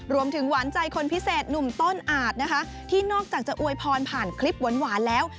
หวานใจคนพิเศษหนุ่มต้นอาจนะคะที่นอกจากจะอวยพรผ่านคลิปหวานแล้ว